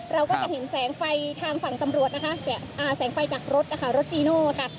เราก็จะเห็นแสงไฟทางฝั่งตำรวจนะคะแสงไฟจากรถนะคะรถจีโน่ค่ะ